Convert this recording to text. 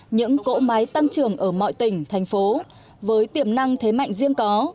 những cỗ máy tăng trưởng ở mọi tỉnh thành phố với tiềm năng thế mạnh riêng có